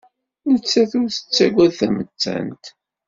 Nettat ur tettagad tamettant.